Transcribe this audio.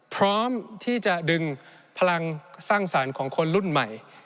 พร้อมที่จะดึงพลังสร้างสรรค์ของคนรุ่นใหม่